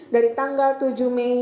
dari tanggal tujuh mei